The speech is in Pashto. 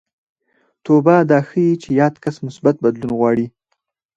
توبه دا ښيي چې یاد کس مثبت بدلون غواړي